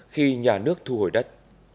khi nhà nước thu hồi đất